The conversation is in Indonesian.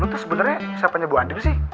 lo tuh sebenernya siapanya bu anding sih